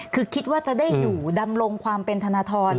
คือคิดว่าจะได้อยู่ดำรงความเป็นธนทร